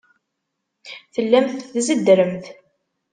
Tellamt tzeddremt.